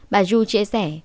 bà du chia sẻ